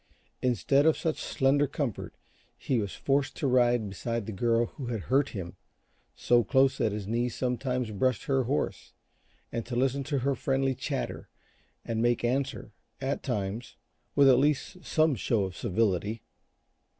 Instead of such slender comfort, he was forced to ride beside the girl who had hurt him so close that his knee sometimes brushed her horse and to listen to her friendly chatter and make answer, at times, with at least some show of civility.